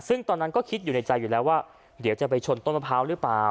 ซึ่งตอนนั้นก็คิดอยู่ในใจอยู่แล้วว่าเดี๋ยวจะไปชนต้นมะพร้าวหรือเปล่า